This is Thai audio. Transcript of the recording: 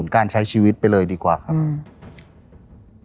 การใช้ชีวิตไปเลยดีกว่าครับอืม